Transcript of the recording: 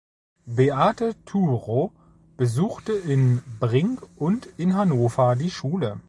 Beate Thurow besuchte in Brink und in Hannover die Schule.